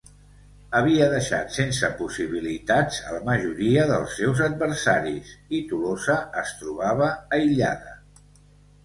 Havia deixat sense possibilitats a la majoria dels seus adversaris i Tolosa es trobava aïllada.